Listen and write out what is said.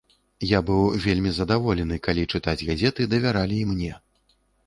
Я быў вельмі задаволены, калі чытаць газеты давяралі і мне.